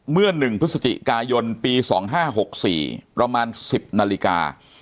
เมื่อ๑พฤศจิกายนปี๒๕๖๔ประมาณ๑๐นาฬิกา